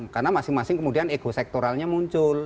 karena masing masing kemudian ego sektoralnya muncul